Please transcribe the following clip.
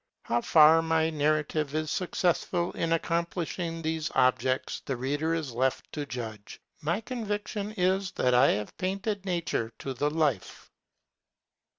How far my narrative is successful in accomplishing these objects the reader is left to judge. My conviction is that I have painted nature to the life.